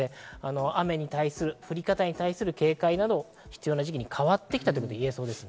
雨に対する降り方に対する警戒などが必要な時期に変わってきたといえそうです。